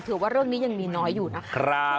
ว่าเรื่องนี้ยังมีน้อยอยู่นะคะ